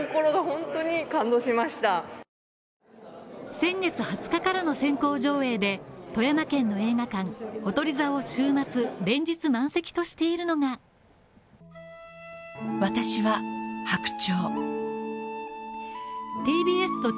先月２０日からの先行上映で富山県の映画館ほとり座を週末連日満席としているのが映画「私は白鳥」